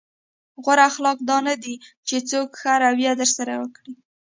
غوره اخلاق دا نه دي چې څوک ښه رويه درسره وکړي.